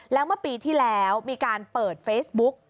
แล้วเมื่อปีที่แล้วมีการเปิดเฟซบุ๊ก